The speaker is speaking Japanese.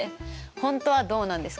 本当はどうなんですか？